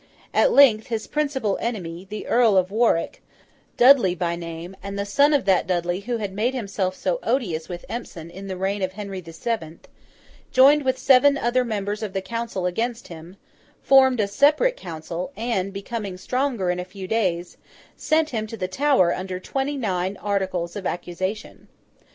At length, his principal enemy, the Earl of Warwick—Dudley by name, and the son of that Dudley who had made himself so odious with Empson, in the reign of Henry the Seventh—joined with seven other members of the Council against him, formed a separate Council; and, becoming stronger in a few days, sent him to the Tower under twenty nine articles of accusation.